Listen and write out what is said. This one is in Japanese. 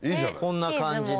こんな感じで。